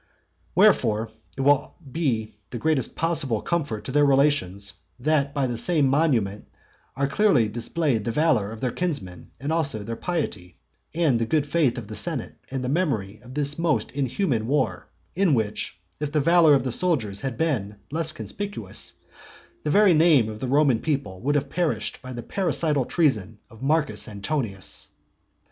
Wherefore it will be the greatest possible comfort to their relations, that by the same monument are clearly displayed the valour of their kinsmen, and also their piety, and the good faith of the senate, and the memory of this most inhuman war, in which, if the valour of the soldiers had been less conspicuous, the very name of the Roman people would have perished by the parricidal treason of Marcus Antonius.